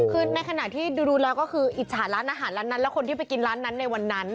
คือในขณะที่ดูแล้วก็คืออิจฉาร้านอาหารร้านนั้นแล้วคนที่ไปกินร้านนั้นในวันนั้น